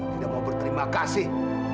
tidak mau berterima kasih